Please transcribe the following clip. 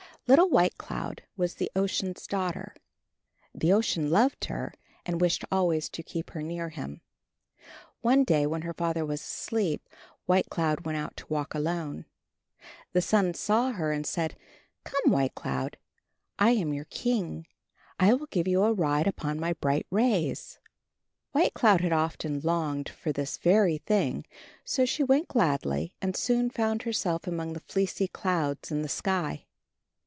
Little White Cloud was the Ocean's daughter. The Ocean loved her, and wished always to keep her near him. One day, when her father was asleep, White Cloud went out to walk alone. The Sun saw her and said, "Come, White Cloud, I am your king, I will give you a ride upon my bright rays." White Cloud had often longed for this very thing, so she went gladly, and soon found herself among the fleecy clouds in the sky.